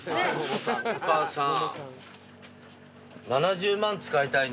お母さん。